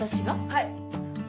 はい！